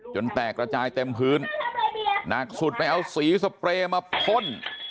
แตกระจายเต็มพื้นหนักสุดไปเอาสีสเปรย์มาพ่น